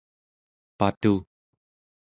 patu